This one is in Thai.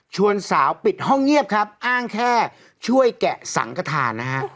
ชวนสาวปิดห้องเงียบครับอ้างแค่ช่วยแกะศังกฐาน